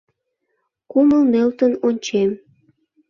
«Кумыл нӧлтын ончем»